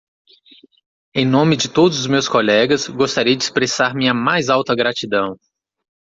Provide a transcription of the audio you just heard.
Em nome de todos os meus colegas, gostaria de expressar minha mais alta gratidão!